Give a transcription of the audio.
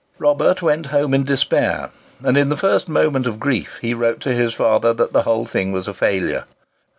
Robert went home in despair; and in the first moment of grief, he wrote to his father that the whole thing was a failure.